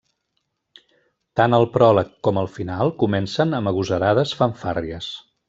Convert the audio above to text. Tant el pròleg com el final comencen amb agosarades fanfàrries.